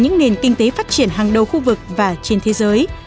những nền kinh tế phát triển hàng đầu khu vực và trên thế giới